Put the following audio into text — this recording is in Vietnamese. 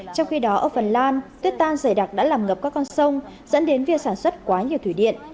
trong khi đó ở phần lan tuyết tan dày đặc đã làm ngập các con sông dẫn đến việc sản xuất quá nhiều thủy điện